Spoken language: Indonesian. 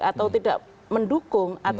atau tidak mendukung